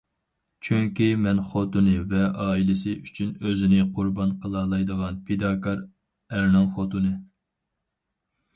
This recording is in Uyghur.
چۈنكى مەن خوتۇنى ۋە ئائىلىسى ئۈچۈن ئۆزىنى قۇربان قىلالايدىغان پىداكار ئەرنىڭ خوتۇنى.